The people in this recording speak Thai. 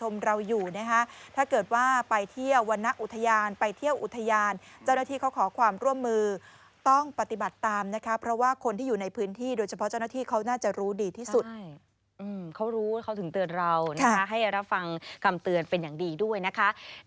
เขาขอความร่วมมือต้องปฏิบัติตามนะคะเพราะว่าคนที่อยู่ในพื้นที่โดยเฉพาะเจ้าหน้าที่เขาน่าจะรู้ดีที่สุดเขารู้เขาถึงเตือนเรานะคะให้รับฟังคำเตือนเป็นอย่างดีด้วยนะคะ